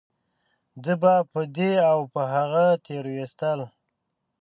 ده به په دې او په هغه تېرويستل .